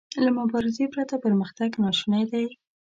له مبارزې پرته پرمختګ ناشونی دی.